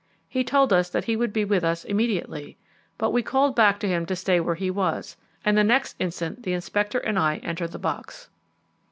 He told us that he would be with us immediately; but we called back to him to stay where he was, and the next instant the Inspector and I entered the box.